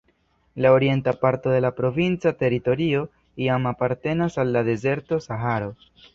La orienta parto de la provinca teritorio jam apartenas al la dezerto Saharo.